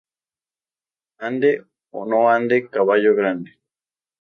Ande o no ande, caballo grande